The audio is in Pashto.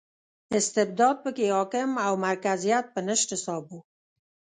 استبداد په کې حاکم او مرکزیت په نشت حساب و.